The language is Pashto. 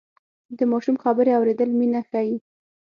د ماشوم خبرې اورېدل مینه ښيي.